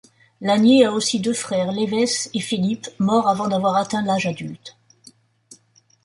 Lanier a aussi deux frères, Lewes et Phillip, morts avant d'avoir atteint l'âge adulte.